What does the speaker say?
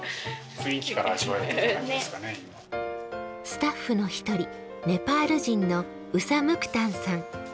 スタッフの１人ネパール人のウサ・ムクタンさん。